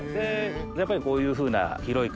やっぱりこういうふうな。